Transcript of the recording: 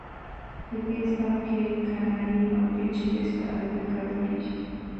په دې سبک کې کنایې او پیچلې استعارې کارول کیږي